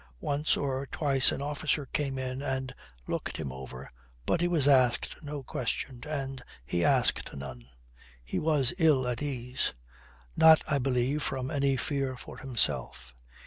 Once or twice an officer came in and looked him over, but he was asked no questions, and he asked none. He was ill at ease. Not, I believe, from any fear for himself.